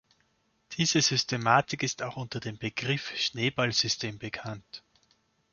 Diese Systematik ist auch unter dem Begriff Schneeballsystem bekannt.